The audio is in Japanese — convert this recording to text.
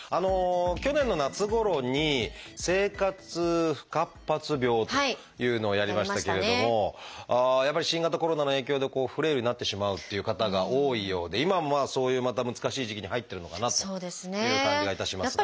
去年の夏ごろに「生活不活発病」というのをやりましたけれどもやっぱり新型コロナの影響でフレイルになってしまうっていう方が多いようで今もそういうまた難しい時期に入ってるのかなという感じがいたしますが。